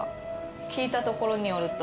聞いたところによると。